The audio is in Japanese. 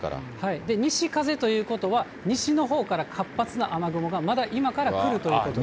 西風ということは、西のほうから活発な雨雲がまだ今から来るということです。